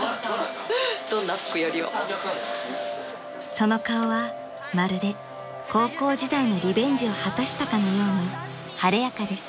［その顔はまるで高校時代のリベンジを果たしたかのように晴れやかです］